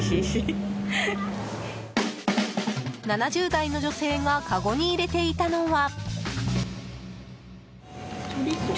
７０代の女性がかごに入れていたのは。